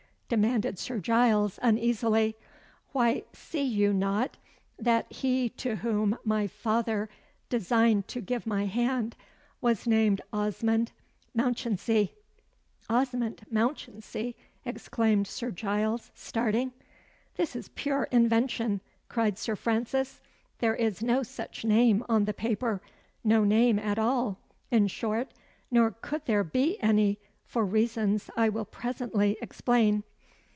demanded Sir Giles, uneasily. "Why, see you not that he to whom my father designed to give my hand was named Osmond Mounchensey?" "Osmond Mounchensey!" exclaimed Sir Giles, starting. "This is pure invention!" cried Sir Francis. "There is no such name on the paper no name at all, in short nor could there be any, for reasons I will presently explain."